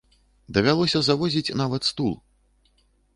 Давялося завозіць нават стул!